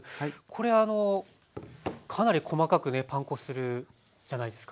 これあのかなり細かくねパン粉するじゃないですか。